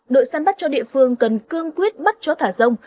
đội săn bắt cho địa phương cần cương quyết bắt chó thả rông